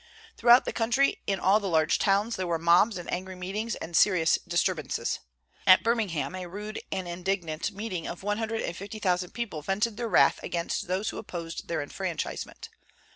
Throughout the country in all the large towns there were mobs and angry meetings and serious disturbances. At Birmingham a rude and indignant meeting of one hundred and fifty thousand people vented their wrath against those who opposed their enfranchisement.